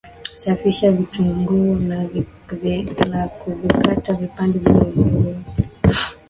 Safisha vitunguu na kuvikata vipande vidogo vidogo na kuvitenga pembeni